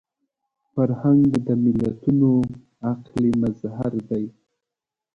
فرهنګ د ملتونو عقل مظهر دی